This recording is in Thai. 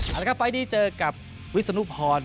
เอาละครับไฟล์นี้เจอกับวิศนุพร